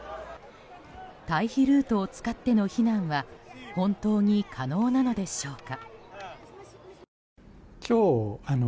退避ルートを使っての避難は本当に可能なのでしょうか。